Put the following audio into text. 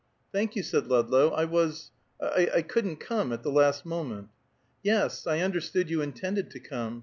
"Thank you," said Ludlow, "I was I couldn't come at the last moment." "Yes, I understood you intended to come.